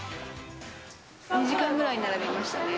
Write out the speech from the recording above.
２時間ぐらい並びましたね。